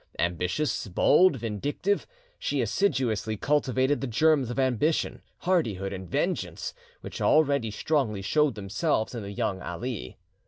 Ambitious, bold, vindictive; she assiduously cultivated the germs of ambition, hardihood, and vengeance which already strongly showed themselves in the young Ali.